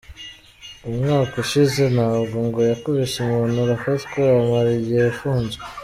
Umwaka ushize na bwo ngo yakubise umuntu arafatwa amara igihe afunzwe.